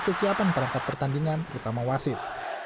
kesiapan perangkat pertandingan terutama wasit